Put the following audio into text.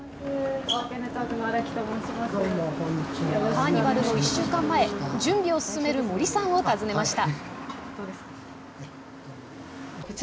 カーニバルの１週間前、準備を進める森さんを訪ねました。